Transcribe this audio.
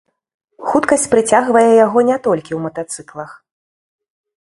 Хуткасць прыцягвае яго не толькі ў матацыклах.